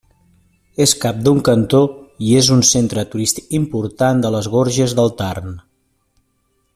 És cap d'un cantó i és un centre turístic important de les Gorges del Tarn.